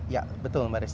ya betul mbak rish